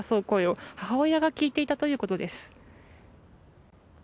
声を母親が聞いていたということです。